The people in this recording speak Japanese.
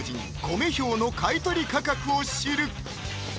コメ兵の買取価格を知る！